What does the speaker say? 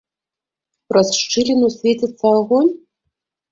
Праз шчыліну свеціцца агонь?